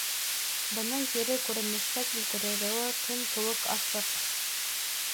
Бының кире күренешкә килтерере көн кеүек асыҡ.